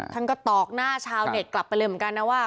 ท่านก็ตอกหน้าชาวเน็ตกลับไปเลยเหมือนกันนะว่า